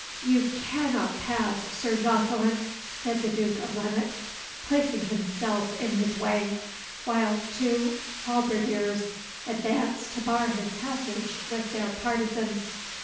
"You cannot pass, Sir Jocelyn," said the Duke of Lennox, placing himself in his way, while two halberdiers advanced to bar his passage with their partizans.